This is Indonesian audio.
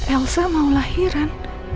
elsa mau lahiran